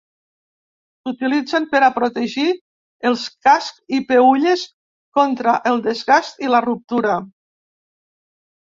S'utilitzen per a protegir els cascs i peülles contra el desgast i la ruptura.